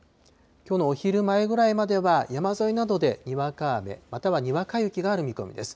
きょうのお昼前ぐらいまでは、山沿いなどでにわか雨、またはにわか雪がある見込みです。